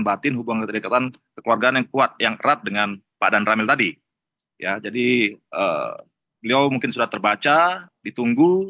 batin hubungan kelekatan kekeluargaan yang kuat yang erat dengan pak dan ramil tadi ya jadi beliau